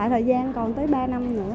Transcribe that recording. thời gian còn tới ba năm nữa